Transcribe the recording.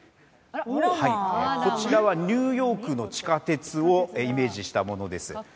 こちらはニューヨークの地下鉄をイメージしたものです。